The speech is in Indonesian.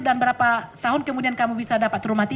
dan berapa tahun kemudian kamu bisa dapat rumah itu